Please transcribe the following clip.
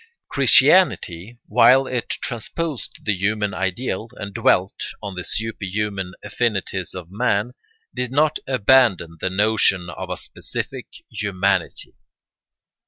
Christianity, while it transposed the human ideal and dwelt on the superhuman affinities of man, did not abandon the notion of a specific humanity.